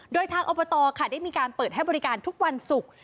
โดยทางอบตค่ะได้มีการเปิดให้บริการทุกวันศุกร์